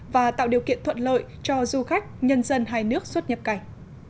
và tạo điều kiện thuận lợi cho du khách nhân dân hai nước xuất nhập cảnh